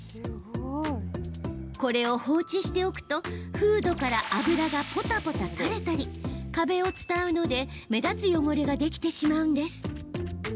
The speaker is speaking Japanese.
これを放置しておくとフードから油がぽたぽた垂れたり壁を伝うので目立つ汚れができてしまうんです。